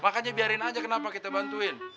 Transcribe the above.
makanya biarin aja kenapa kita bantuin